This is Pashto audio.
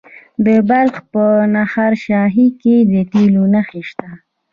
د بلخ په نهر شاهي کې د تیلو نښې شته.